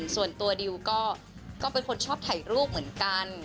ส่วนตัวดิวก็เป็นคนชอบถ่ายรูปเหมือนกัน